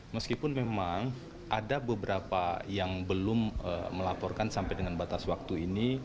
meskipun memang ada beberapa yang belum melaporkan sampai dengan batas waktu ini